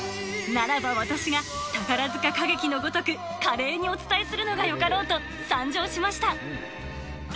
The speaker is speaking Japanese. ならば私が、宝塚歌劇のごとく、華麗にお伝えするのがよかろうと、参上しました。